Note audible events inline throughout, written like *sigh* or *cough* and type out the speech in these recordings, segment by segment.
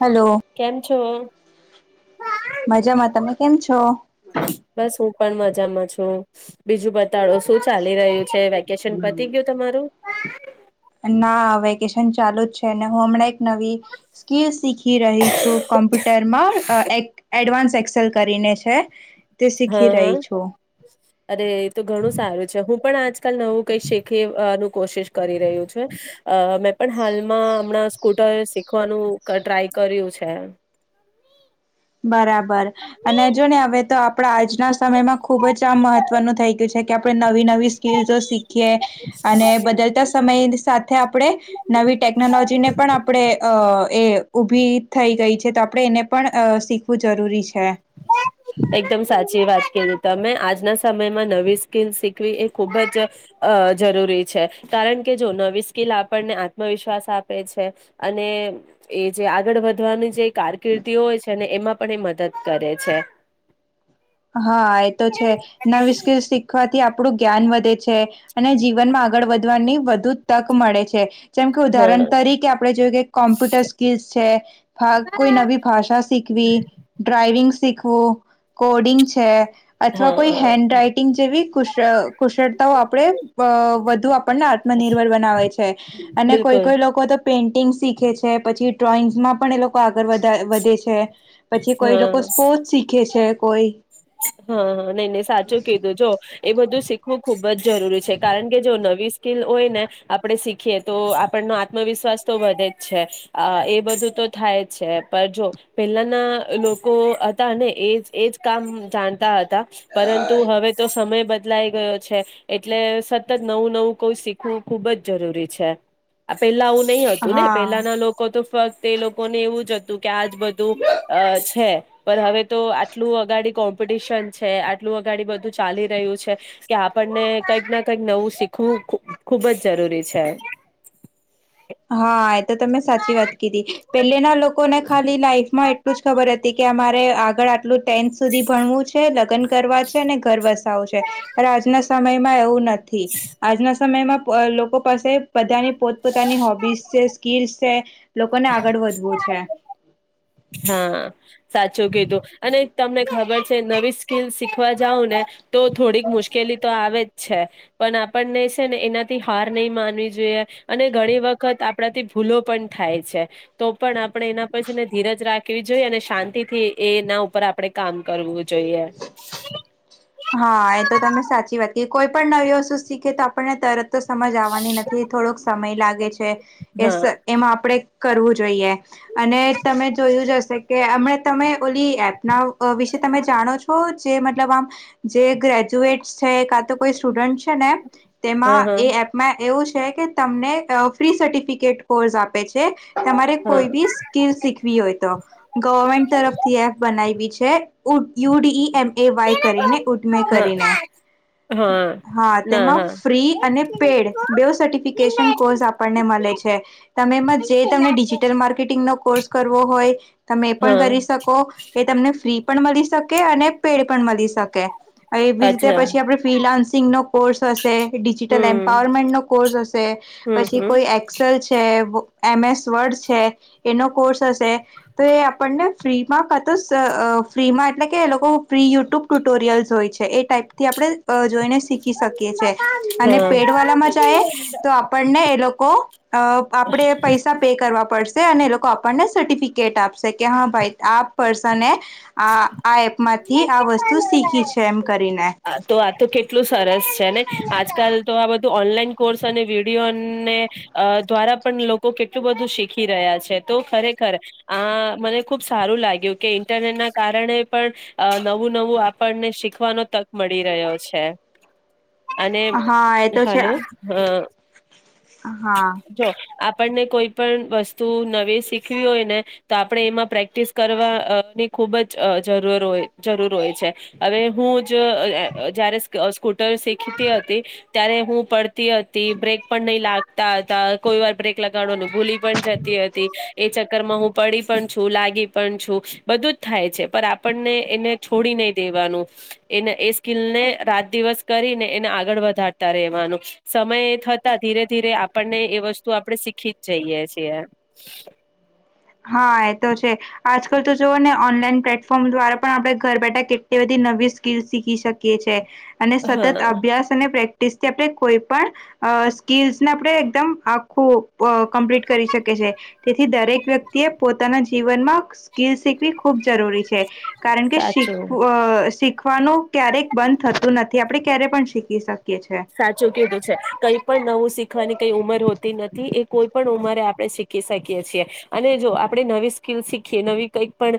Hello કેમ છો? મજામાં તમે કેમ છો? બસ હું પણ મજામાં છું બીજું બતાડો શું ચાલી રહ્યું છે વેકેશન પતી ગયું તમારું ના વેકેશન ચાલુ જ છે ને હું હમણાં એક નવી સ્કીલ શીખી રહી છું કોમ્પ્યુટરમાં એક એડવાન્સ એક્સેલ કરીને છે તે હા શીખી હા. રહી છું અરે એ તો ઘણું સારું છે હું પણ આજ કલ નવું કઈ શીખી નું કોશિશ કરી રહ્યું છે. અ મેં પણ હાલમાં હમણાં સ્કૂટર શીખવાનું ટ્રાય કર્યું છે. બરાબર અને જો ને હવે તો આપણા આજના સમયમાં ખૂબ જ આમ મહત્વનું થઈ ગયું છે કે આપણે નવી નવી સ્કીલ્સો શીખીએ અને બદલતા સમય સાથે આપણે નવી ટેકનોલોજીને પણ આપણે અ એ ઊભી થઈ ગઈ છે તો આપણે એને પણ અ શીખવું જરૂરી છે. એકદમ સાચી વાત કે તમે આજના સમયમાં નવી સ્કિલ શીખવી એ ખુબ જ અ જરૂરી છે કારણ કે જો નવી સ્કીિલ આપણને આત્મવિશ્વાસ આપે છે અને એ જે આગળ વધવાની જે કારકિર્દીઓ હોય છે ને એમાં આપ એ મદદ કરે પ છે હા એ તો છે નવી સ્કીલ શીખવાથી આપ આપણું જ્ઞાન વધે છે અને જીવનમાં આગળ વધ ની વધુ તક મળે છે. જેમ કે ઉદાહરણ હા તરીકે આપણે જોયું કે કોમ્પ્યુટર સ્કીલ્સ છે, અ કોઈ નવી ભાષા શીખવી, ડ્રાઈવિંગ શીખવું કોડિંગ છે. અથવા કોઈ હા હેન્ડ રાઈટિંગ જેવી કુશ કુશળતાઓ આપણે અ વધુ આપણને આત્મનિર્ભર બનાવે છે. અને કોઈ બિલકુલ કોઈ લોકો તો પેઇન્ટિંગ શીખે છે, પછી ડ્રોઈંગસમાં પણ એ લોકો આગ આગળ વધા વધે છે. પછી કોઈ લોકો સ્પોર્ટ્સ શીખે છ છે કોઈ હહ હહ નહીં નહીં સાચું કીધું જો એ બધું શીખવું ખૂબ બજ જરૂરી છે કારણ કે જો નવી સ્કીલ હોય ને આપણે શીખીએ તો આપણનો આત્મવિશ્વાસ તો વધે જ છે. અ એ બધું તો થાય છે પણ જો પહેલાના લોકો હતા ને એજ એજ કામ જાનતા હત તા પરંતુ હવે તો સમય બદલાઈ ગયો છે. એટલે સતત નવું નવું કોઈ શીખવું ખુબ જ જરૂરી છે. આ પેલા ઓલ નહી હતું ને હા પેલાના લોકો તો ત તે લોકોને એવું જ હતું. કે આજ બધું અ છે. પણ હવે તો આટલું અગાડી કોમ્પ મ્પિટિશન છે, આટલું અગાડી બધું ચાલી રહ્યું છે, કે આપણને કંઈક ના કંઈક નવું શીખવું ખૂ ખૂબ જ જરૂરી છે. હા એ તો તમે સાચી વાત કીધી પેલેના લોકોને ખાલી લાઈફમાં એટલું જ ખબર હતી કે આ માર રે આગળ આટલું જ ટેન્થ સુધી ભણવું છે, લગ્ન કરવા છે ને, ઘર વસાવુ છે, પણ આજના સમયમાં એવું નથી. આજના સમયમાં લોકો પાસે બધાની પોત પોતાની હોબ બીસ છે, સ્કીલસ છે. લોકોને આગળ વધવું છે. હમ હા સાચું કીધું. અને તમને ખબર છે નવી સ્કીલ શીખવા જાઉં ને તો થોડીક મુશ્કેલી તો આવે જ છે. પણ આપણને છે ને એનાથી હાર નહી માનવી જોઈએ. અને ઘણી વખત આપણાથી ભૂલો પણ થાય છે. તો પણ આપણે એના પછી ને ધીરજ રાખવી જોઈએ. અને શાંતિથી એના ઉપર આપણેે કામ કરવું જોઈએ. હા એ તો તમે સાચી વાત કી કોઈ પણ નવી વસ્તુ શીખે તો આપણને તરત તો સમજ આવવાની નથી થોડોક સમય. લાગે છે. એ હા એમાં આપડે. કરવું જોઈએ અને તમે જોયું જ હશે કે હમણા તમે. ઓલી એપના વિશે તમે જાણો છો. જે મતલબ આમ. જે ગ્રેજ્યુએટ છે. કો સ્ટુડન્ટ છે ને હા તેમાં એ હા એપમાં એવું. કે તમને ફ્રી સર્ટિફિકેટ કોર્સ આપે છે. તમારે કોઈ બી સ્કીલ શીખવી હોય તો ગવર્મેન્ટ તરફથી એફ બનાવી. છે યુડીઈ એમ એ વાય કરે. ઉમે હા કરીને હા હા ના તેમાં હા ફ્રી અને પેડ બે સર્ટિફિકેશન કોર્સ આપણને મળે છે તમે એમાં જે તમને ડિજિટલ માર્કેટિંગ ન કોર્સ કરવો હોય તમે એ હા પણ કરી શકો એ તમને ફ્રી. પણ મળી શકે અને પેડ પણ મળી શકે. એવી જ રીતે અચ્છા પછી આપણે ફિલાન્સિંગનોો કોર્સ હશે ડિજિટલ હમ એમ્પાવરમેન્ટનોો કોર્સ હશે હમ પછી હમ કોઈ એક્સેલ છે. એમ એસ વર્ડ છે એનો કોર્સ હ છે તો એ આપણને ફ્રીમાં કતો ફ્રીમાં એટલે કે એ લોકો ફ્રી યુટ્યુબ ટુટોરિયલ્સ. જોય છે એ ટાઈપથી આપણે. અ જોઈને શીખી શકીએ છે અને હા પેડ વાલામાં જાય તો આપણને એ લોકો અ આપણે પૈસા પે કરવા પડશે. અને એ લોકો આપણને સર્ટિફિકેટ આપશે કે હા ભાઈ આ પર્સન એ. આ આ એપ માંથી આ વસ્તુ શીખી છે. એમ કરીને તો આ તો કેટલું સરસ છે ને આજકાલ તો આ બધું. ઓનલાઈન કોર્સ અને વિડીિયોને દ્વારા પણ લોકો કેટલું બધું શીખી રહ્યા છે તો ખરેખર આ મને ખૂબ સારું લાગ્યું કે ઇન્ટરનેટના. કારણે પણ નવું નવું આપણને શીખવાનો તક મળી રહ્યો છે. અને હા એ તો છે હાલો અ. હા જો આપ. આપણને કોઈ પણ વસ્તુ નવી શીખવી હોય ને તો આપણે એમાં પ્રેક્ટિસ કરવા. ખૂબ જ જરૂર હો જરૂર હોય છે હવે હું જ જારે સ્કૂટર શીખતી હતી ત્યારે હું પડતી. હતી બ્રેક પણ નહી લાગ. હતા કોઈ વાર બ્રેક લગાડવાનું ભૂલી પણ જતી હતી એ ચક્કર માં હું પડી પણ છું લાગી પણ છું બધું. થાય છે પણ આપણને એને છોડી નહી દેવાનું એને એ સ્કીિલને રાત દિવસ કરીને એને આગળ વધારતા રહેેવાનું સમય થતા ધીરે ધીરે આપણને એ વસ્તુ આપણે શીખી જ જઈએ છીએ. હા એ તો છે આજકાલ તો જુઓ ને ઓનલાઈન પ્લેટફોર્મ દ્વારા પણ આપણે ઘર બેઠા કેટલી બધી નવી સ્કીલ શીખી શકીએ છીએ. અને સતત હા. અભ્યાસ અને પ્રે. કોઈ પણ સ્કીસને આપણે એકદમ આખું કમ્પ્લીટ કરી શકી છે તેથી દરેક વ્યક્તિ. તે પોતાના જીવનમાં સ્કીલ શીખવી ખૂબ. જરી છે કારણ કે શીુંી. સાચું. શીખવાનું ક્યારેક બંધ થતું નથી આપણે ક્યારે પણ શીખી શકએ. સાચું કીધું છે કઈ પણ નવું શીખ. શીખવાની કઈ ઉંમર હોતી નથી એ કોઈ પણ ઉંમરે આપણે શીખી શકીએ છીએ અને જો આપણે નવી સ્કીલ શીખીએ નવી કંઈક પણ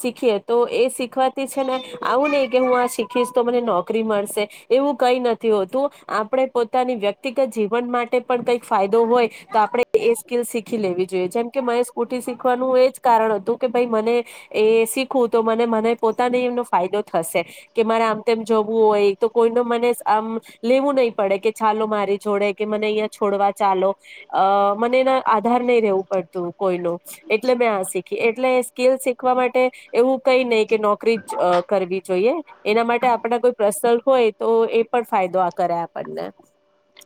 શીખીએ તો એ શીખવાથી છે ને આવું નહી કે હું આ શીખીશ તો મને નોકરી મળશે એવું. કઈ નથી હોતું આપણે પોતાની વ્યક્તિગત જીવન માટે પણ કઈક ફાયદો હોય તો આપણેે એ સ્કીલ શીખી લેવી જોઈએ જેમ કે મને સ્કૂટી શીખવાનું એ જ કારણ હતું કે ભાઈ મને એ શીખવું તો મને મને પોતાને એમનો ફાયદો થશે કે મારે આમ તેમ જોવું હોય તો કોઈનો મને. આમ લેવું નહી પડે કે ચાલો મારી જોડે કે મને અહીંયા છોડવા ચાલો અ મને એના આધાર નહી રવું પડતું કોઈનું એટલે મેં આ શીખી એટલે સ્કીલ શીખવા માટે એવું કઈ નહી કે નોકરી જ કરવી જોઈએ એના માટે આપણા કોઈ પ્રસનલ હોય તો એ. પણ ફાયદો આ કરે આપણને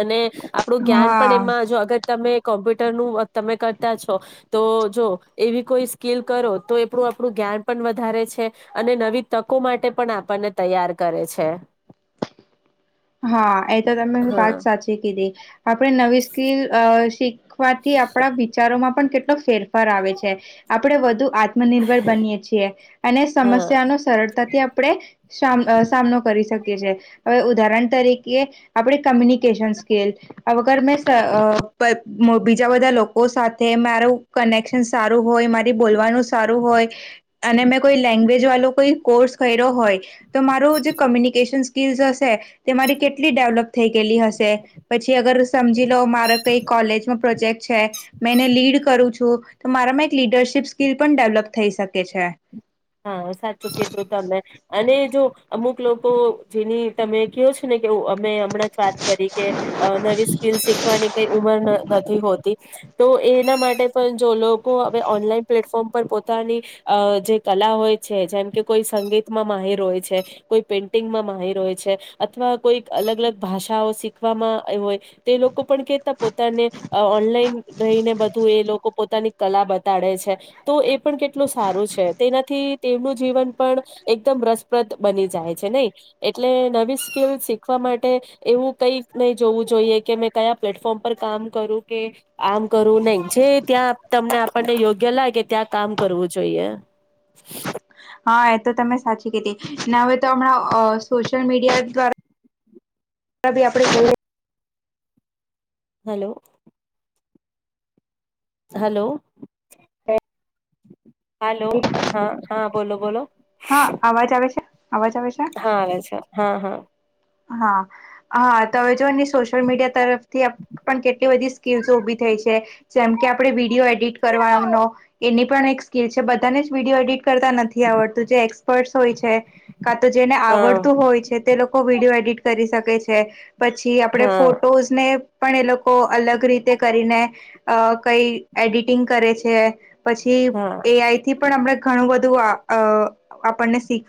અને. આપણું જ્ઞાન પણ હા એમાં જો અગર તમે. કોમ્પ્યુટરનું તમે કરતા છો તો જો એવી કોઈ સ્કીિલ કરો તો એણું આપણું જ્ઞાન પણ વધારે છે અને નવી તકો માટે પણ આપણને તૈયાર કરે છે. હા એ તો તમે હા વાત સાચી કીધી આપણે નવી સ્કીલ. શી. થી આપણા વિચારોમાં. પણ કેટલો ફેરફાર આવે છે. આપણે વધુ આત્મનિર્ભર બનીએ છીએ અને હા સમસ્યાનો સરળતાથી આપણે સામનો કરી શકીએ. હવે ઉદાહરણ. તરીકે આપણે કમ્યુનિકેશન સ્કીલ વગર મેં બીજા બધા લોકો સાથે મારું કનેક્શન સારું હોય મારી બોલવાનું સારું હોય અને મેં કોઈ લેંગવેજ વાળો કોઈ કોર્સ કર્યો હોય. તો મારોું જે કોમ્યુનિકેશનસ. તી જશે. તે મારી કેટલી ડેવલપ થઈ ગયેલી હશે પછી અગર સમજી લો મારા કઈ કોલેજમાં પ્રોજેક્ટ છે મેં એને લીડ કરું છું તો મારામાં એક લીડરશીપ સ્કીિલ પણ ડેવલપ થઈ શકે છે. હા સાચું કધું તમે અને. જો અમુક લોકો જેની તમે કહયો છો ને કે. અ હમણાં જ વાત કરી કે નવી સ્કીલ શીખવાની કઈ ઉમર. નથી હોતી તો એના માટે પણ જો લોકો હવે ઓનલાઈન પ્લેટફોર્મ પર પોતાની જે. કલા હોય છે જેમ કે કોઈ સંગીતમાં માહેર હોય છે કોઈ પેઇન્ટિંગમાં માહેર હોય છે અથવા કોઈ અલગ અલગ ભાષાઓ શીખવામાં હોય તો એ લોકો પણ કેતા પોતાને ઓનલાઈન રહીને બધું એ લોકો પોતાની કલા બતાડે છે તો એ પણ કેટલું સારું છે. તેનાથી તેમનું જીવન પણ એકદમ રસપ્રદ બની જાય છે નહી એટલે નવી સ્કિલ શીખવા માટે એવું કઈક નહી જોવું જોઈએ કે મેં કયા પ્લેટફોર્મ પર કામ કરું કે આમ કરું નહી જે ત્યાં તમને આપણને યોગ્ય લાગે ત્યાં કામ કરવું જોઈએ. *unintelligible* *inaudible* હા એ તો તમે સાચી કેતી હવે તો હમણાં સોશિયલ મીડિયા દ્વારા. રા બી આપણે જોએ. હલો. હલો. હાલો હા હા બોલો બોલો. હા અવાજ આવે છે અવાજ પ છેા. હા આવે છે હા હા. હા. હા તો હવે જો ને સોશિયલ મીડિયા તરફથી પણ કેટલી બધી સ્કીલ્સ ઉભી થઈ છે જેમ કે આપણે વિડીયો એડિટ કરવાનો એની. પણ એક સ્કિલ છે બધા જ વિડીયો એડિટ. તા નથી આવડતું એક્સપર્ટ હોય છે કા તો જેને હા આવડતું હોય છે તે. કોવિડ. એડિટ કરી શકે છે. પછી આપણે હા ફોટોઝ ને. પણ એ લોકો અલગ રીતે કરીને અ કઈ એડિટિંગ કરે છે. પછી હા એ આઈ થી પણ આપણે ઘણું બધું. આપણ ને *unintelligible*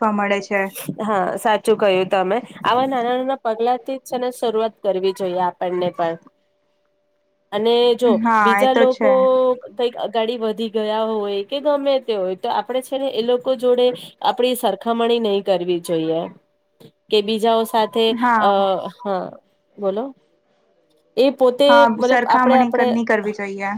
હા સાચું કયું તમે. આવા નાના નાના પગલાથી. શરૂઆત કરવી જોઈએ આપણને પણ. અને જો હા એ બીજા તો લોકો. છે કઈક અગાડી વધી ગયા હોય કે ગમે તે હોય તો આપણે છે. ને એ લોકો જોડે આપણી સરકાર. ખમણી નહી કરવી જોઈએ કે બીજા. સાથે હા અ હા. બોલો. એ પોતે હા મતલબ આપણે સરખામણી આપણે ની કરવી જોઈએ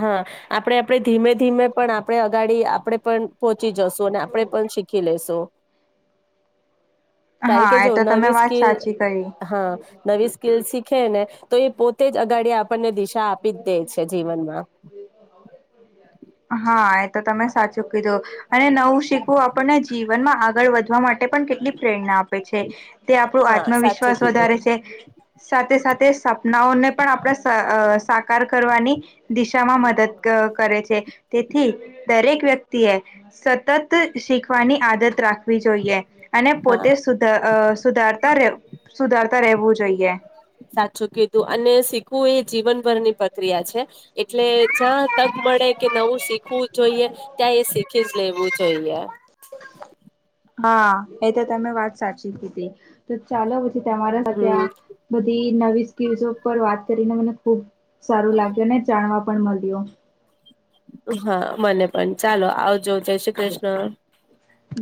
હા. આપણે આપણે ધીમે ધીમે પણ આપણે અગાડી આપણે. પણ પહોંચી જશુ અને આપડણે પણ શીખી લેશું. *unintelligible* *inaudible* કારણ કે હા એ જો તો તમે નવી વાત સ્કીલ સાચી કરી હા નવી સ્કીલ શીખે ને. તો એ પોતે જ. અગાડિયા આપણને દિશા આપી જ દે છે જીવનમાં. હા એ તો તમે સાચું કીધું. અને નવું શીખવું આપણને જીવનમાં આગળ વધવા માટે પણ કેટલી પ્રેરણા આપે. તે આપણું હા સાચું આત્મવિશ્વાસ કીધું વધારે છે. સાથે સાથે સપનાઓને પણ આપણા. સાકાર કરવાની દિશામાં મદદ કરે છે. તેથી દરેક વ્યક્તિએ સતત શીખવાની આદત રાખવી જોઈએ. અને હા પોતે સુધ સુધારતા સુધારતા રહેવું જોઈએ. આખું એ જીવનભરની પ્રક્રિયા છે એટલે જ્યાં. તક મળે કે નવું શીખવું જોઈએ. ત્યાં એ શીખી જ લેવું જોઈએ. હા એ તો તમે વાત સાચી હતીી હતી તો ચાલો. તમારા સાથે આ હમ બધી નવી સ્કીસ પર વાત. કરીને મને ખૂબ. સારું લાગ્યું ને જાણવા પણ મળ્યો. હા મને પણ ચાલો આવ. જો જય શ્રી કૃષ્ણ.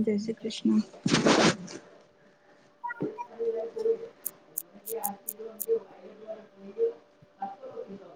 જય શ્રી કૃષ્ણ.